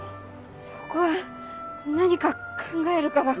そこは何か考えるから。